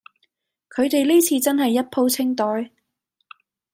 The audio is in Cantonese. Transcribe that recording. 佢地呢次真係一鋪清袋